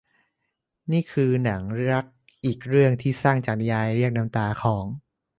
นี่คือหนังรักอีกเรื่องที่สร้างจากนิยายเรียกน้ำตาของ